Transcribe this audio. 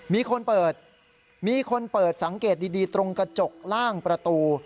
มีคนเปิดมีคนเปิดสังเกตดีตรงกระจกล่างประตู